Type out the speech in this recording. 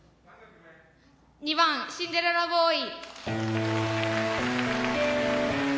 ２番「シンデレラボーイ」。